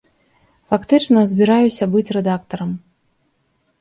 Фактычна, збіраюся быць рэдактарам.